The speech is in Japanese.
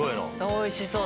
おいしそう。